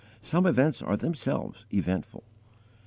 Some events are themselves eventful.